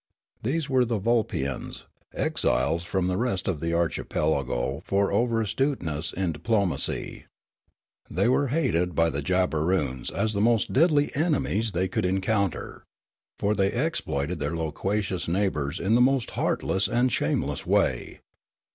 These were the Vulpians, exiles from the rest of the archipelago for over astuteness in diplomacy. They were hated by the Jabberoons as the most deadlj^ enemies the}' could encounter ; for they exploited their loquacious neighbours in the most heartless and shameless way.